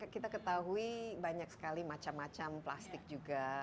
kita ketahui banyak sekali macam macam plastik juga